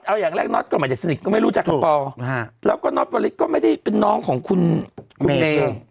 เอาอย่างแรกน็อตก็ไม่ได้สนิทก็ไม่รู้จักกับปอแล้วก็น็อตวริสก็ไม่ได้เป็นน้องของคุณเมย์